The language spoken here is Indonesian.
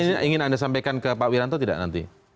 ini ingin anda sampaikan ke pak wiranto tidak nanti